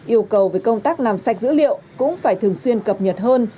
yêu cầu về công tác làm sạch dữ liệu cũng phải thường xuyên cập nhật hơn